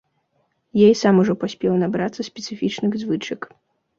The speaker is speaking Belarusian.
Я і сам ужо паспеў набрацца спецыфічных звычак.